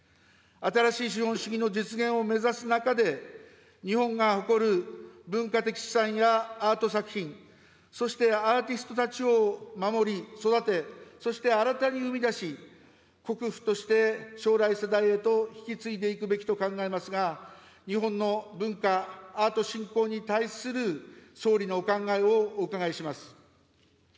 新しい資本主義の実現を目指す中で、日本が誇る文化的資産やアート作品、そしてアーティストたちを守り、育て、そして新たに生み出し、国富として将来世代へと引き継いでいくべきと考えますが、日本の文化・アート振興に対する総理のお考えをお伺いします。